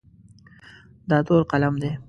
دا تور قلم دی.